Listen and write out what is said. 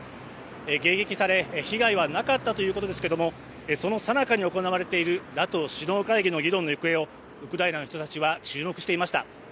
迎撃され被害はなかったということですけれども、そのさなかに行われているＮＡＴＯ首脳会議の議論の行方をウクライナの人たちは注目していました。